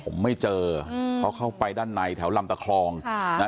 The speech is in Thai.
ผมไม่เจอเพราะเข้าไปด้านในแถวลำตะคลองค่ะนะฮะ